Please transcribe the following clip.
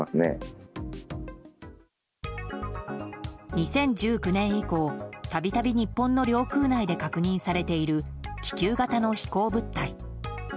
２０１９年以降、度々日本の領空内で確認されている気球型の飛行物体。